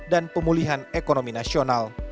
dan pemulihan ekonomi nasional